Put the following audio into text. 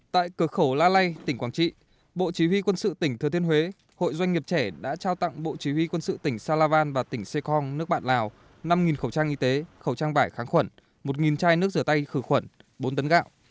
tại cửa khẩu la lây tỉnh quảng trị bộ chỉ huy quân sự tỉnh thừa thiên huế hội doanh nghiệp trẻ đã trao tặng bộ chí huy quân sự tỉnh sa la van và tỉnh sê kong nước bạn lào năm khẩu trang y tế khẩu trang vải kháng khuẩn một chai nước rửa tay khử khuẩn bốn tấn gạo